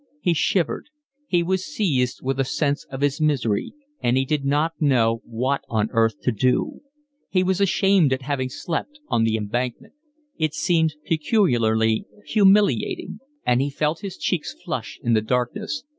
He shivered. He was seized with a sense of his misery; and he did not know what on earth to do: he was ashamed at having slept on the Embankment; it seemed peculiarly humiliating, and he felt his cheeks flush in the darkness.